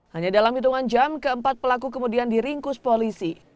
hanya dalam hitungan jam keempat pelaku kemudian diringkus polisi